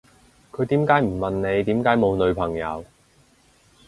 佢點解唔問你點解冇女朋友